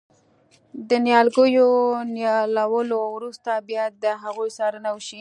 د نیالګیو نیالولو وروسته باید د هغوی څارنه وشي.